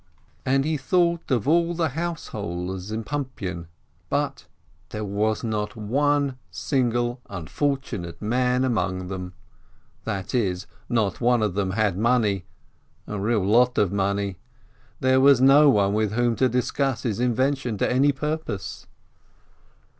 And he thought of all the householders in Pumpian, but — there was not one single unfortunate man among them ! That is, not one of them had money, a real lot of money; there was nobody with whom to discuss his invention to any purpose.